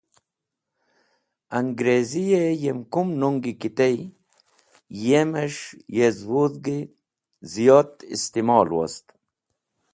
agrizi-e yem kum nungi ki tey, yemes̃h yezwudh ziyot istimol wost.